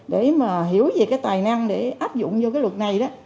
để mà hiểu về cái tài năng để áp dụng vô cái luật này đó